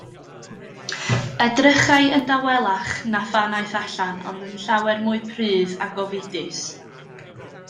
Edrychai yn dawelach na phan aeth allan, ond yn llawer mwy prudd a gofidus.